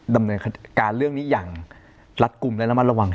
ดำเนินการเรื่องนี้อย่างรัดกลุ่มและระมัดระวัง